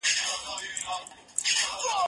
هغه وويل چي ږغ لوړ دی،